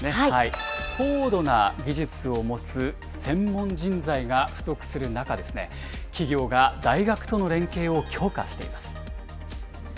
高度な技術を持つ専門人材が不足する中ですね、企業が大学との連携を強化しています。